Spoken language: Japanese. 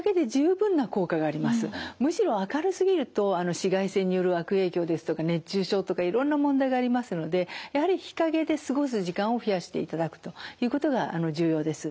むしろ明るすぎると紫外線による悪影響ですとか熱中症とかいろんな問題がありますのでやはり日陰で過ごす時間を増やしていただくということが重要です。